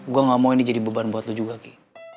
gue gak mau ini jadi beban buat lu juga ki